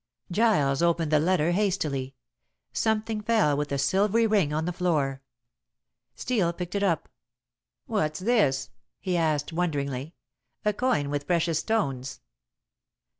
Giles opened the letter hastily. Something fell with a silvery ring on the floor. Steel picked it up. "What's this?" he asked wonderingly "a coin with precious stones!"